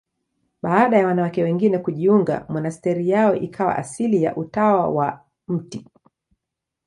Baada ya wanawake wengine kujiunga, monasteri yao ikawa asili ya Utawa wa Mt.